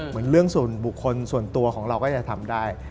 เหมือนเรื่องส่วนบุคคลส่วนตัวของเราก็จะทำได้